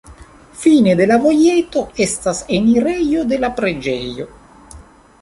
Fine de la vojeto estas enirejo de la preĝejo.